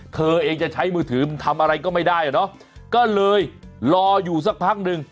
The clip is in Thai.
เธอเองจะใช้มือถือทำอะไรก็ไม่ได้อ่ะเนอะก็เลยรออยู่สักพักหนึ่ง